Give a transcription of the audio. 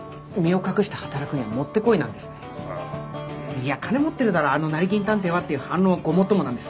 「いや金持ってるだろあの成金探偵は」っていう反論はごもっともなんです。